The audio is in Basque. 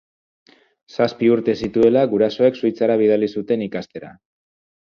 Zazpi urte zituela, gurasoek Suitzara bidali zuten ikastera.